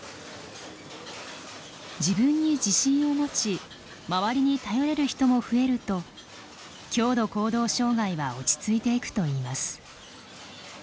自分に自信を持ち周りに頼れる人も増えると強度行動障害は落ち着いていくといいます。